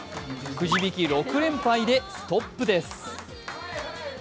くじ引き６連敗でストップです。